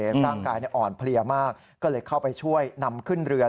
ร่างกายอ่อนเพลียมากก็เลยเข้าไปช่วยนำขึ้นเรือ